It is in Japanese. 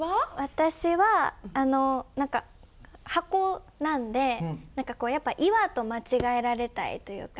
私はあの何か箱なんで何かやっぱ岩と間違えられたいというか。